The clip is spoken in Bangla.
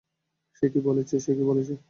সে কি বলেছে?